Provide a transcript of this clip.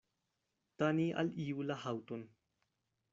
Tani al iu la haŭton.